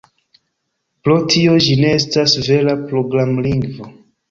Pro tio ĝi ne estas vera programlingvo.